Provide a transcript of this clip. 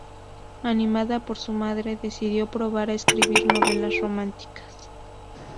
Animada por su madre decidió probar a escribir novelas románticas.